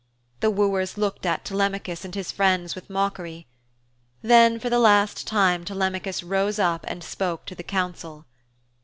The wooers looked at Telemachus and his friends with mockery. Then for the last time Telemachus rose up and spoke to the council.